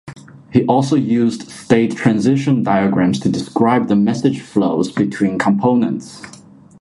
He also used state transition diagrams to describe the message flows between components.